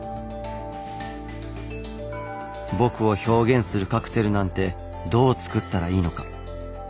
僕を表現するカクテルなんてどう作ったらいいのか。